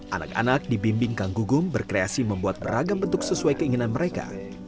anak anak dibimbing kang gugum berkreasi membuat beragam bentuk sesuai keinginan mereka